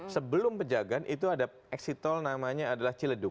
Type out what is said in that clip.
sebelum pejagan itu ada exit tol namanya adalah ciledug